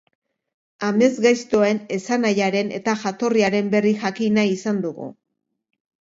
Amesgaiztoen esanahiaren eta jatorriaren berri jakin nahi izan dugu.